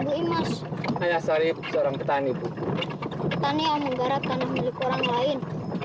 bu imas seorang petani petani yang menggarap tanah milik orang lain